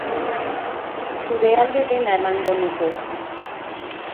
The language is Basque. Zure alde dena emango nuke.